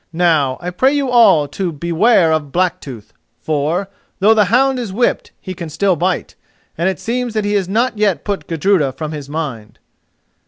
Now, I pray you all to beware of Blacktooth, for, though the hound is whipped, he can still bite, and it seems that he has not yet put Gudruda from his mind."